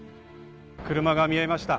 車が見えました。